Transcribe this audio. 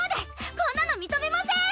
こんなの認めません！